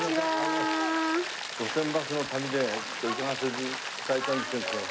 『路線バスの旅』でちょっと伺わせて頂いたんですけれど。